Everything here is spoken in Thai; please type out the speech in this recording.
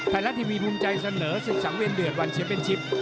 ไทยรัฐทีวีภูมิใจเสนอศึกสังเวียนเดือดวันเชียมเป็นชิป